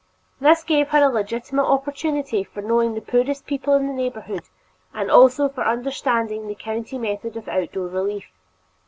This gave her a legitimate opportunity for knowing the poorest people in the neighborhood and also for understanding the county method of outdoor relief.